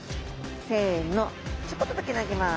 せのちょこっとだけなげます。